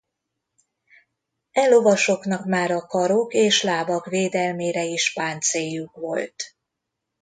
E lovasoknak már a karok és lábak védelmére is páncéljuk volt.